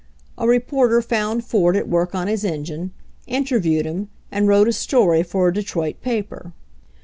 A reporter found Ford at work on his en gine, interviewed him and wrote a story for a Detroit paper.